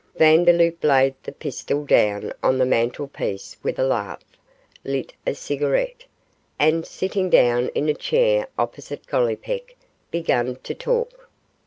Vandeloup laid the pistol down on the mantelpiece with a laugh, lit a cigarette, and, sitting down in a chair opposite Gollipeck, began to talk.